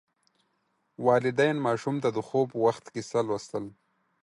والدین ماشوم ته د خوب وخت کیسه لوستل.